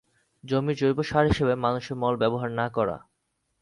জমির জৈব সার হিসেবে মানুষের মল ব্যবহার না করা।